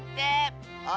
あ！